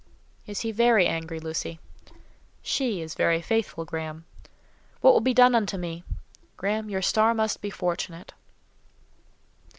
"Is he very angry, Lucy?" "She is very faithful, Graham." "What will be done unto me?" "Graham, your star must be fortunate."